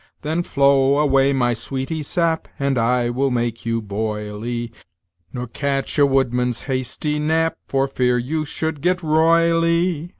Then flow away, my sweety sap, And I will make you boily; Nor catch a wood man's hasty nap, For fear you should get roily.